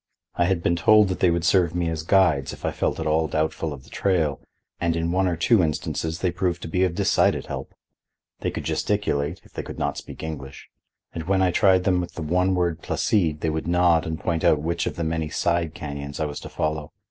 I had been told that they would serve me as guides if I felt at all doubtful of the trail, and in one or two instances they proved to be of decided help. They could gesticulate, if they could not speak English, and when I tried them with the one word Placide they would nod and point out which of the many side canyons I was to follow.